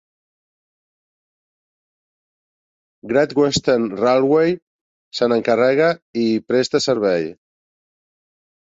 Great Western Railway se n'encarrega i hi presta servei.